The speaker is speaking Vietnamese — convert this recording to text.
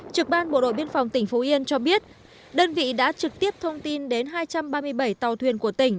trực ban bộ đội biên phòng tỉnh phú yên cho biết đơn vị đã trực tiếp thông tin đến hai trăm ba mươi bảy tàu thuyền của tỉnh